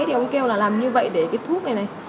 thì ông kêu là làm như vậy để cái thuốc này này